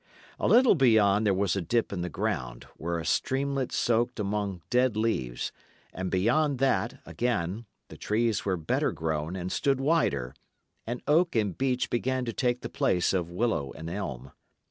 A little beyond there was a dip in the ground, where a streamlet soaked among dead leaves; and beyond that, again, the trees were better grown and stood wider, and oak and beech began to take the place of willow and elm.